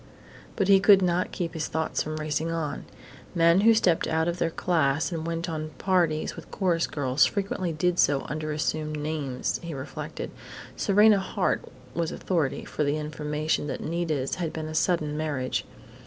But he could not keep his thoughts from racing on.... Men who stepped out of their class and went on parties with chorus girls frequently did so under assumed names, he reflected. Serena Hart was authority for the information that Nita's had been a sudden marriage.